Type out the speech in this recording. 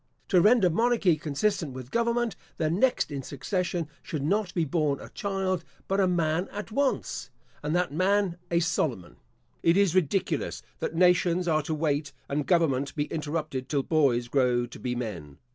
To render monarchy consistent with government, the next in succession should not be born a child, but a man at once, and that man a Solomon. It is ridiculous that nations are to wait and government be interrupted till boys grow to be men.